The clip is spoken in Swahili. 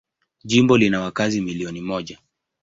Jimbo lina wakazi milioni moja.